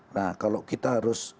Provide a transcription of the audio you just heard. nah kalau kita harus